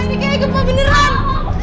ini kayak gempa beneran